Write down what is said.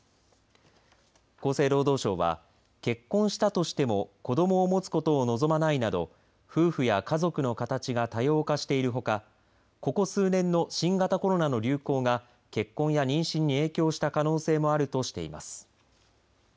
厚生労働省は、結婚したとしても子どもを持つことを望まないなど夫婦や家族の形が多様化しているほかここ数年の新型コロナの流行が結婚や妊娠に影響した可能性もあるとしています。